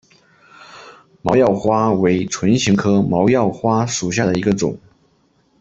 毛药花为唇形科毛药花属下的一个种。